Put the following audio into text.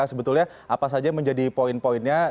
sebetulnya apa saja yang menjadi poin poinnya